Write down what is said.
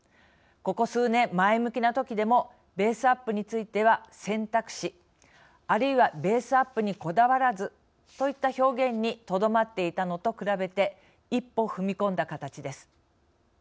ここ数年、前向きなときでもベースアップについては選択肢、あるいはベースアップにこだわらずといった表現にとどまっていたのと比べて一歩踏み込んだ形です。